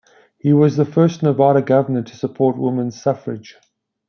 He was the first Nevada governor to support Women's Suffrage.